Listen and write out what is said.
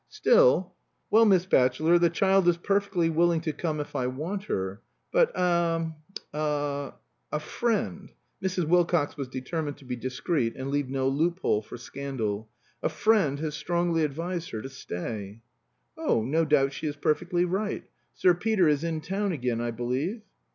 Still " "Well, Miss Batchelor, the child is perfectly willing to come if I want her. But er er a friend" (Mrs. Wilcox was determined to be discreet, and leave no loophole for scandal) "a friend has strongly advised her to stay." "Oh, no doubt she is perfectly right. Sir Peter is in town again, I believe?"